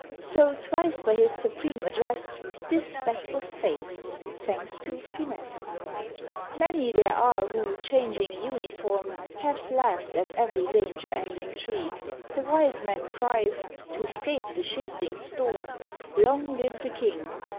So twice, by his supreme address, This Bat was saved thanks to finesse. Many there are who, changing uniform, Have laughed at every danger and intrigue; The wise man cries, to 'scape the shifting storm, "Long live the King!"